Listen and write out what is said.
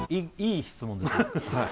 いい質問ですね